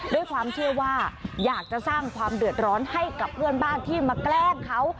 ด้วยความเชื่อว่าอยากจะสร้างความเดือดร้อนให้กับเพื่อนบ้านที่มาแกล้งเขา